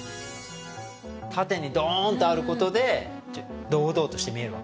縦にドーンとあることで堂々として見えるわけね